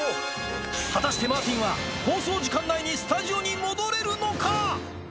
果たしてマーティンは、放送時間内にスタジオに戻れるのか？